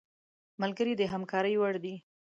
ملګری د همکارۍ وړ دی